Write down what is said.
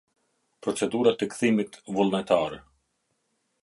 Procedurat e kthimit vullnetar.